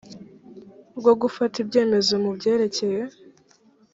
bwo gufata ibyemezo mu byerekeye